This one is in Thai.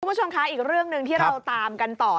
คุณผู้ชมคะอีกเรื่องหนึ่งที่เราตามกันต่อ